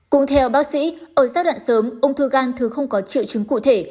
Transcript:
cũng theo bác sĩ ở giai đoạn sớm ung thư gan thứ không có triệu chứng cụ thể